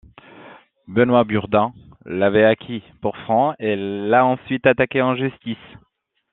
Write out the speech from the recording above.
Benoît Burdin l'avait acquis pour francs et l'a ensuite attaqué en justice.